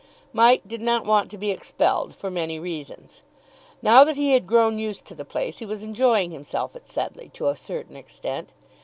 Mike did not want to be expelled, for many reasons. Now that he had grown used to the place he was enjoying himself at Sedleigh to a certain extent.